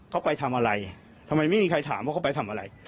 เขาไปทำอะไรทำไมไม่มีใครถามว่าเขาไปทำอะไร